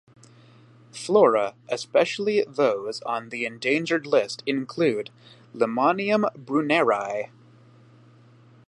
Flora especially those on the endangered list include "Limonium brunneri".